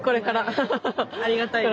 ありがたいです。